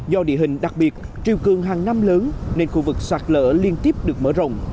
do địa hình đặc biệt triều cường hàng năm lớn nên khu vực sạt lở liên tiếp được mở rộng